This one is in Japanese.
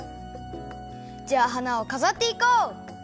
じゃあ花をかざっていこう！